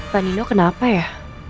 pak nino kenapa ya